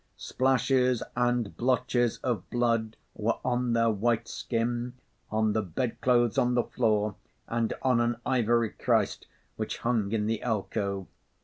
Splashes and blotches of blood were on their white skin, on the bed clothes, on the floor, and on an ivory Christ which hung in the alcove.